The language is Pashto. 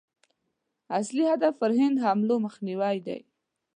اصلي هدف پر هند حملو مخنیوی دی.